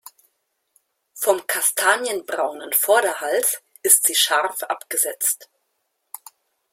Vom kastanienbraunen Vorderhals ist sie scharf abgesetzt.